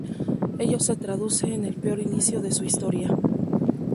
Ello se traduce en el peor inicio de su historia.